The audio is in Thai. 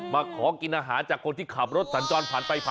มาขอกินอาหารจากคนที่ขับรถสัญจรผ่านไปผ่าน